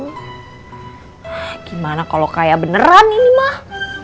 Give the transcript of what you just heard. gimana kalo kaya beneran ini mah